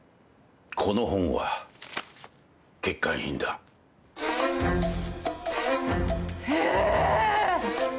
この本は欠陥品だ。え！？